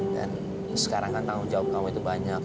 dan sekarang kan tanggung jawab kamu itu banyak